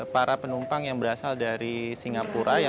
para penumpang yang berasal dari singapura